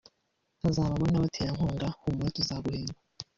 hazabamo n’abaterankunga humura tuzaguhemba